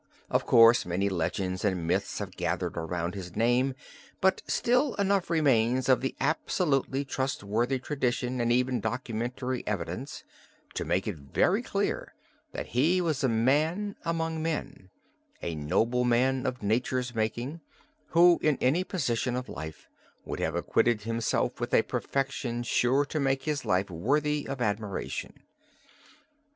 Of course many legends and myths have gathered around his name, but still enough remains of absolutely trustworthy tradition and even documentary evidence, to make it very clear that he was a man among men, a nobleman of nature's making, who in any position of life would have acquitted himself with a perfection sure to make his life worthy of admiration.